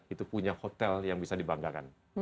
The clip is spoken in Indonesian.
itu punya hotel yang bisa dibanggakan